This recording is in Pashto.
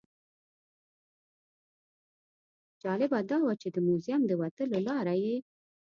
جالبه دا وه چې د موزیم د وتلو لاره یې.